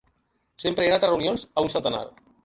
Sempre he anat a reunions, a un centenar.